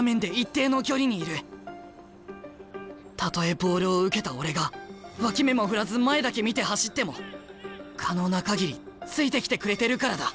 たとえボールを受けた俺が脇目も振らず前だけ見て走っても可能な限りついてきてくれてるからだ。